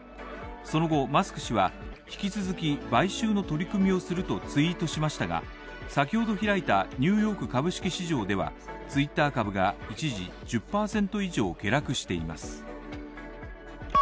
その後マスク氏は引き続き買収の取り組みをするとツイートしましたが、先ほど開いたニューヨーク株式市場ではツイッター株が一時１０％以上下落しています。